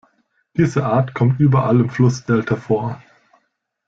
Diese Art kommt überall im Flussdelta vor.